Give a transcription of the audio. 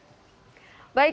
baik terima kasih